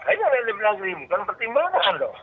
hanya ada yang dibilang ini bukan pertimbangan doang